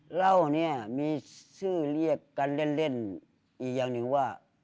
เหล้าเนี่ยมีชื่อเรียกกันเล่นอีกอย่างหนึ่งว่า